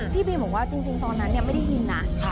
พี่บีมบอกว่าจริงตอนนั้นไม่ได้ยินนะ